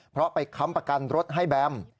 เพราะไปค้ำประกันรถให้แบม